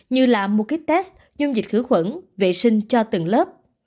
như là mua kích test nhung dịch khử khuẩn vệ sinh cho từng lớp